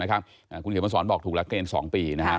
คุณเขตมันสอนบอกถูกแล้วเกณฑ์๒ปีนะครับ